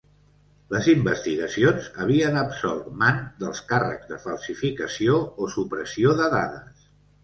Les investigacions havien absolt Mann dels càrrecs de falsificació o supressió de dades.